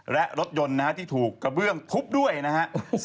และรถยนต์นะฮะที่ถูกกระเบื้องทุบด้วยนะฮะ